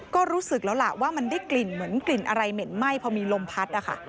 ก็รู้สึกแล้วล่ะว่ามันได้กลิ่นเหมือนกลิ่นอะไรเหม็นไหม้พอมีลมพัดนะคะ